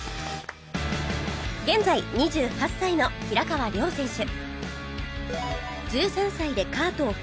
現在２８歳の平川亮選手